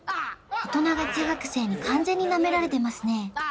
大人が中学生に完全にナメられてますね